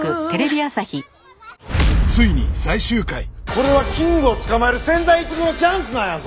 これはキングを捕まえる千載一遇のチャンスなんやぞ！